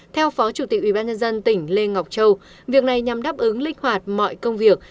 theo phó chủ tịch ubnd tỉnh lê ngọc châu việc này nhằm đáp ứng linh hoạt mọi công việc